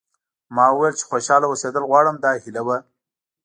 ما وویل چې خوشاله اوسېدل غواړم دا هیله وه.